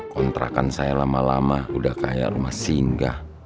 kontrakan saya lama lama udah kaya rumah singa